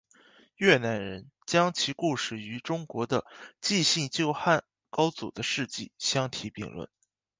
越南人将其故事与中国的纪信救汉高祖的事迹相提并论。